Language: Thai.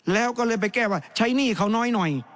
แล้วก็เลยไปแก้ว่าใช้หนี้เขาน้อยหน่อย